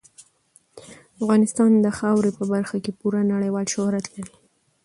افغانستان د خاورې په برخه کې پوره نړیوال شهرت لري.